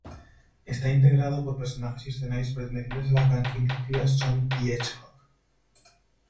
Está integrado por personajes y escenarios pertenecientes a la franquicia "Sonic the Hedgehog".